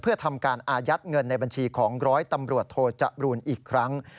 เพื่อทำการอายัดเงินในบัญชีของร้อยตำรวจโทจบรูนอีกครั้ง